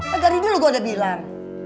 agar ini lu udah bilang